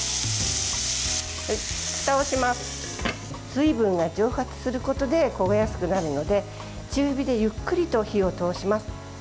水分が蒸発することで焦げやすくなるので中火でゆっくりと火を通します。